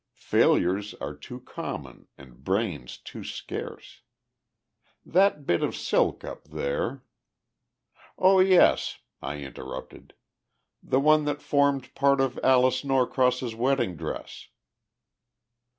Failures are too common and brains too scarce. That bit of silk up there " "Oh yes," I interrupted, "the one that formed part of Alice Norcross's wedding dress."